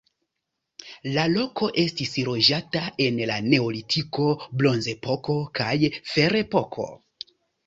La loko estis loĝata en la neolitiko, bronzepoko kaj ferepoko.